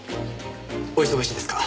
お忙しいですか？